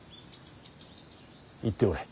行っておれ。